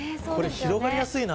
広がりやすいな。